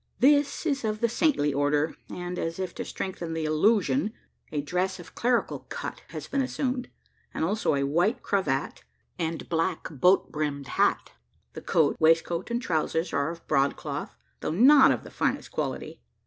This is of the saintly order; and, as if to strengthen the illusion, a dress of clerical cut has been assumed, as also a white cravat and black boat brimmed hat. The coat, waistcoat, and trousers are of broad cloth though not of the finest quality.